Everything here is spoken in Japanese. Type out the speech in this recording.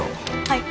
はい。